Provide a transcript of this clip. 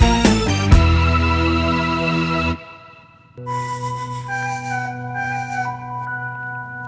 you gonna go semi likin padahal